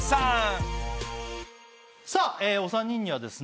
さあお三人にはですね